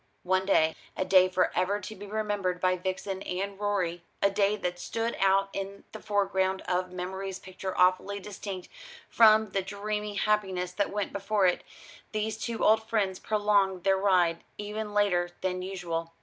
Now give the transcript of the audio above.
One day a day for ever to be remembered by Vixen and Rorie a day that stood out in the foreground of memory's picture awfully distinct from the dreamy happiness that went before it, these two old friends prolonged their ride even later than usual.